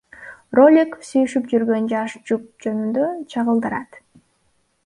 Ролик сүйүшүп жүргөн жаш жуп жөнүндө чагылдырат.